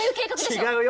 違うよ。